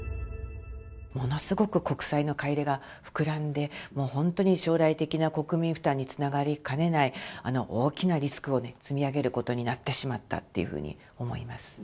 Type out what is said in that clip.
ものすごく国債の買い入れが膨らんで、もう本当に将来的な国民負担につながりかねない、大きなリスクを積み上げることになってしまったっていうふうに思います。